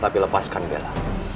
tapi lepaskan bella